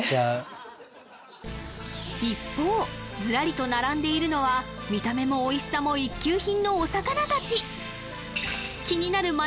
一方ずらりと並んでいるのは見た目もおいしさも一級品のお魚達気になる